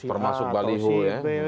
permasuk baliho ya